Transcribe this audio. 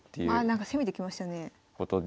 なんか攻めてきましたね。